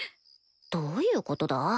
どういうことだ？